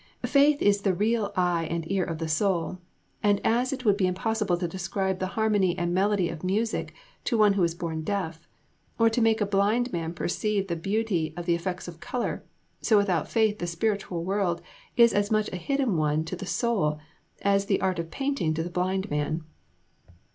Faith is the real eye and ear of the soul, and as it would be impossible to describe the harmony and melody of Music to one who was born deaf, or to make a blind man perceive the beauty of the effects of colour, so without faith the spiritual world is as much a hidden one to the soul as the Art of Painting to the blind man.